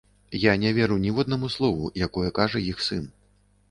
Я не веру ніводнаму слову, якое кажа іх сын.